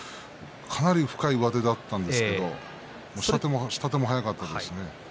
かなり深い上手だったんですけど下手も速かったですね。